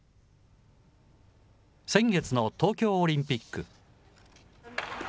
先月の東京オリンピック。